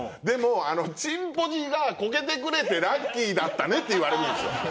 でも「“チンポジ”がこけてくれてラッキーだったね」って言われるんですよ。